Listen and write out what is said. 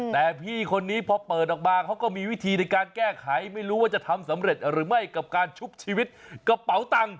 แต่พี่คนนี้พอเปิดออกมาเขาก็มีวิธีในการแก้ไขไม่รู้ว่าจะทำสำเร็จหรือไม่กับการชุบชีวิตกระเป๋าตังค์